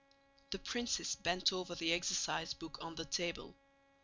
The princess bent over the exercise book on the table.